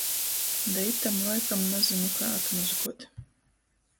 Da itam laikam nazynu kai atmozguot...